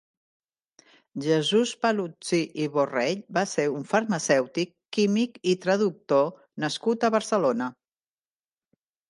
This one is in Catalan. Jesús Paluzie i Borrell va ser un farmacèutic, químic i traductor nascut a Barcelona.